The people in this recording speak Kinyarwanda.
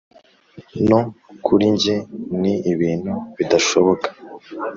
no kuri jye ni ibintu bidashoboka.